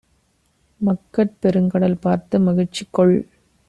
மக்கட் பெருங்கடல் பார்த்து மகிழ்ச்சிகொள்!